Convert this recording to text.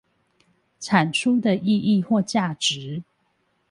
產出的意義或價值